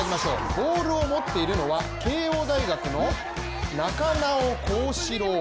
ボールを持っているのは慶応大学の中名生幸四郎。